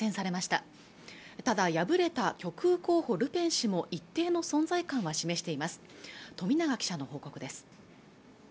ただ敗れた極右候補ルペン氏も一定の存在感は示しています